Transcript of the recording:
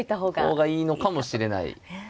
方がいいのかもしれないですよね。